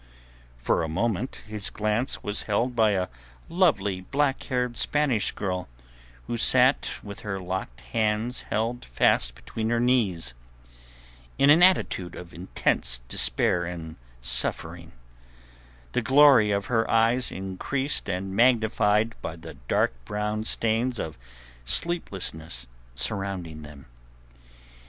For a moment his glance was held by a lovely black haired Spanish girl, who sat with her locked hands held fast between her knees, in an attitude of intense despair and suffering—the glory of her eyes increased and magnified by the dark brown stains of sleeplessness surrounding them.